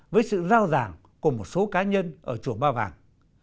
với sự giao giảng của một số cá nhân ở chùa ba vàng